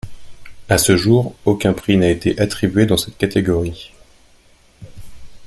À ce jour, aucun prix n'a été attribué dans cette catégorie.